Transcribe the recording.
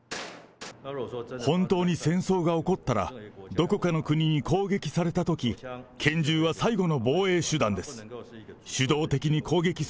本当に戦争が起こったら、どこかの国に攻撃されたとき、拳銃は最後の防衛手段です。